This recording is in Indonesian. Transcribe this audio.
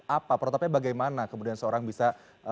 apa protapnya bagaimana kemudian seorang bisa